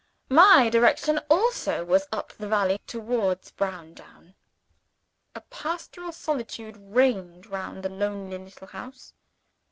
my direction also was up the valley, towards Browndown. A pastoral solitude reigned round the lonely little house.